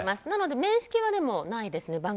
なので面識はないですね。